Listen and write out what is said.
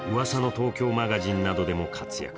東京マガジン」などでも活躍。